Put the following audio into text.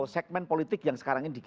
segmen politik yang sekarang ini